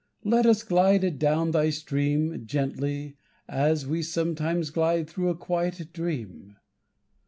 Let us glide adown thy stream Gently as we sometimes glide Through a quiet dream!